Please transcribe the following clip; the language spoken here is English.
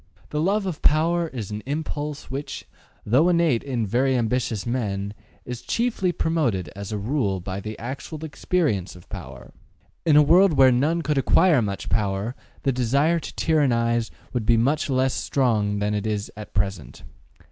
The love of power is an impulse which, though innate in very ambitious men, is chiefly promoted as a rule by the actual experience of power. In a world where none could acquire much power, the desire to tyrannize would be much less strong than it is at present.